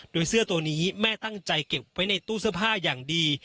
โดยเสื้อตัวนี้แม่ตั้งใจเก็บไว้ในตู้เสื้อผ้าอย่างดี